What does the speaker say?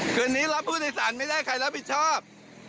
คืนนี้รับผู้โดยสารไม่ได้ใครรับผิดชอบ